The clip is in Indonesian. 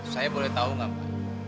saya boleh tahu gak mbak